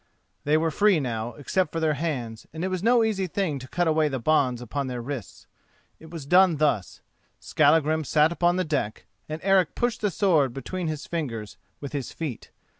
They were free now, except for their hands, and it was no easy thing to cut away the bonds upon their wrists. It was done thus: Skallagrim sat upon the deck, and Eric pushed the sword between his fingers with his feet.